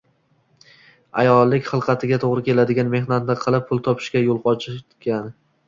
ayollik hilqatiga to‘g‘ri keladigan mehnatni qilib pul topishiga yo‘l ochilgan.